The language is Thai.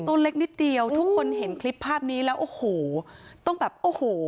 ตัวเล็กนิดเดียวทุกคนเห็นคลิปภาพนี้แล้วโอ้โหต้องแบบโอ้โห